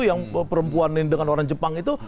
yang perempuan dengan orang jepang itu